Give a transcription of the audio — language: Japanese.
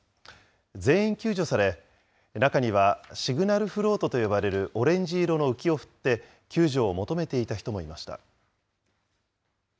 全員救助され、中には、シグナルフロートと呼ばれるオレンジ色の浮きを振って救助を求めていた人もいました。